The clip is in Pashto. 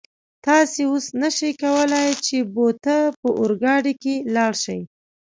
تاسو اوس نشئ کولای چې بو ته په اورګاډي کې لاړ شئ.